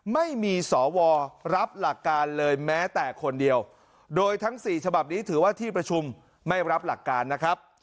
ไม่มีสวรับหลักการเลยแม้แต่คนเดียวโดยทั้ง๔ฉบับนี้ถือว่าที่ประชุมไม่รับหลักการนะครับ